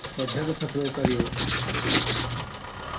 تہ جڳ سَڦلو ڪريو